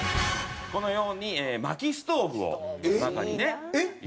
このように薪ストーブを中にね入れて。